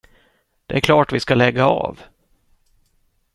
Det är klart vi ska lägga av.